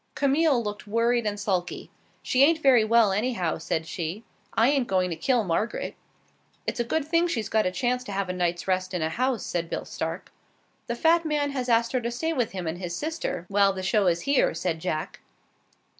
Camille looked worried and sulky. "She ain't very well, anyhow," said she. "I ain't going to kill Margaret." "It's a good thing she's got a chance to have a night's rest in a house," said Bill Stark. "The fat man has asked her to stay with him and his sister while the show is here," said Jack.